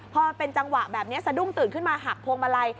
พอเป็นจังหวะแบบนี้สะดุ้งตื่นขึ้นมาหักพวงมาลัย